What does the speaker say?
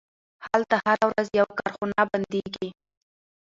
هلته هره ورځ یوه کارخونه بندیږي